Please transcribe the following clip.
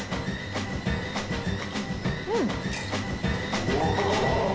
うん。